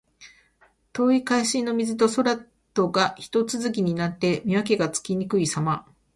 遠い海上の水と空とがひと続きになって、見分けがつきにくいさま。